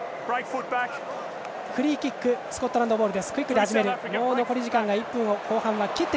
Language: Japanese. フリーキックスコットランドボール。